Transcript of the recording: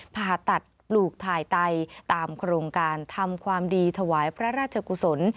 ผ่าตัดปลูกถ่ายไตตามโครงการทำความดีถวายพระราชกุศล